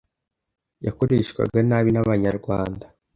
yakoreshwaga nabi n’Abanyarwanda,